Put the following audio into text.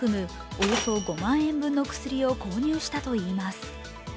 およそ５万円分の薬を購入したといいます。